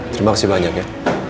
terima kasih banyak ya